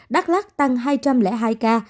đắk lắc tăng hai trăm linh hai ca